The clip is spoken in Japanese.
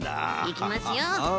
いきますよ。